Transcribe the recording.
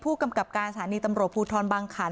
ผู้กำกับการสถานีตำรวจภูทรบางขัน